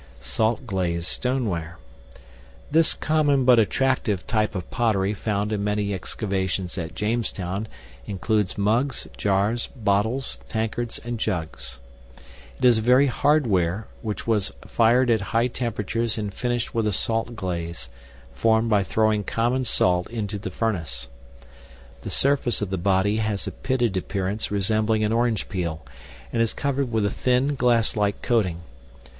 Salt glazed Stoneware. This common but attractive type of pottery found in many excavations at Jamestown includes mugs, jars, bottles, tankards, and jugs. It is a very hard ware which was fired at high temperatures and finished with a salt glaze, formed by throwing common salt into the furnace. The surface of the body has a pitted appearance resembling an orange peel, and is covered with a thin, glasslike coating.